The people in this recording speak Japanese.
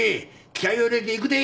気合を入れていくで。